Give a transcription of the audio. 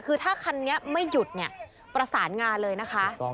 คือถ้าคันนี้ไม่หยุดเนี่ยประสานงานเลยนะคะ